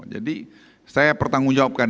jadi saya bertanggung jawabkan